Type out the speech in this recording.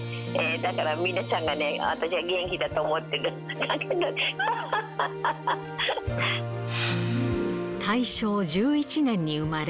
だから皆さんが、私は元気だと思って勘違いする。